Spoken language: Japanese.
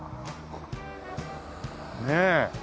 ねえ。